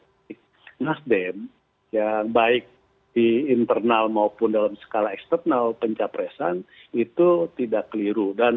pilihan dan sikap partai nasdem yang baik di internal maupun dalam skala eksternal pencapresan itu tidak keliru